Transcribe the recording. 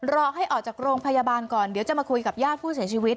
รอให้ออกจากโรงพยาบาลก่อนเดี๋ยวจะมาคุยกับญาติผู้เสียชีวิต